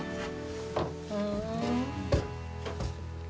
うん。